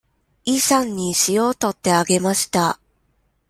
イさんに塩を取ってあげました。